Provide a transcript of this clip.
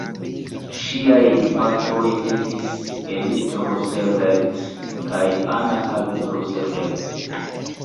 Ŝiaj gepatroj estis Elliott Roosevelt kaj Anna Hall Roosevelt.